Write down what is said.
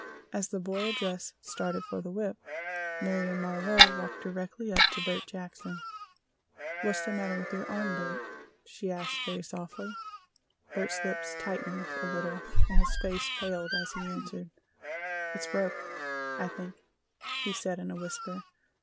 As the boy addressed started for the whip Marion Marlowe walked directly up to Bert Jackson. "What's the matter with your arm, Bert?" she asked very softly. Bert's lips tightened a little and his face paled as he answered: "It's broke, I think," he said in a whisper.